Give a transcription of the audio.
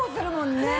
ねえ！